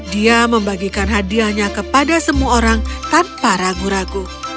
dia membagikan hadiahnya kepada semua orang tanpa ragu ragu